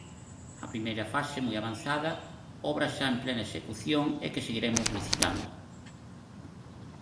A primeira fase moi avanzada, obras xa en plena execución e que seguiremos licitando.